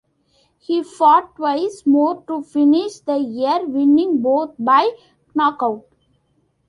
He fought twice more to finish the year, winning both by knockout.